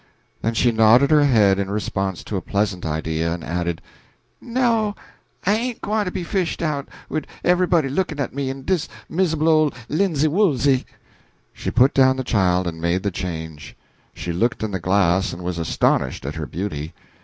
Then she nodded her head in response to a pleasant idea, and added, "No, I ain't gwine to be fished out, wid everybody lookin' at me, in dis mis'able ole linsey woolsey." She put down the child and made the change. She looked in the glass and was astonished at her beauty.